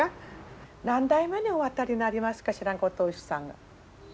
何代目におあたりになりますかしらご当主さんは。